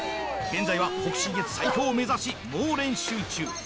現在は北信越最強を目指し猛練習中！